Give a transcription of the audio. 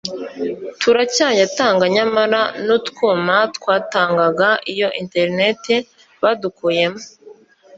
turacyayatanga nyamara n’utwuma twatangaga iyo internet badukuyemo